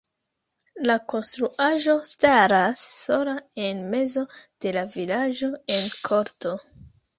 La konstruaĵo staras sola en mezo de la vilaĝo en korto.